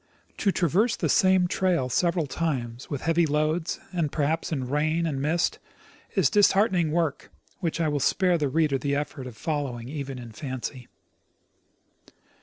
To traverse the same trail several times with heavy loads, and perhaps in rain and mist, is dis heartening work which I will spare the reader the effort of follow ing even in fancy.